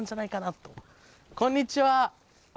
こんにちは。